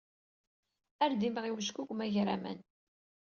Ar d-imɣi wejgu deg umagraman!